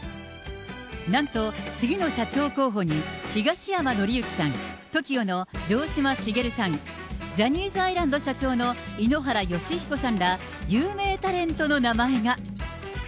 なんと次の社長候補に、東山紀之さん、ＴＯＫＩＯの城島茂さん、ジャニーズアイランド社長の井ノ原快彦さんら有名タレントの名前が。